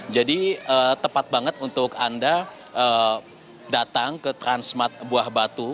jadi tepat banget untuk anda datang ke transmart buah batu